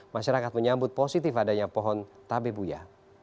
masyarakat menyambut positif adanya pohon tabebuya